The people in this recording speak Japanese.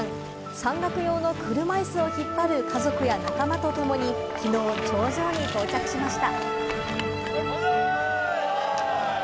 山岳用の車いすを引っ張る家族や仲間と共に昨日、頂上に到着しました。